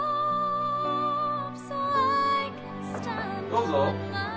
・どうぞ。